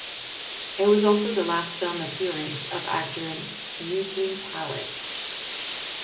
It was also the last film appearance of actor Eugene Pallette.